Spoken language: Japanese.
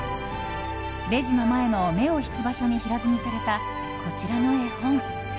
レジの前の目を引く場所に平積みされた、こちらの絵本。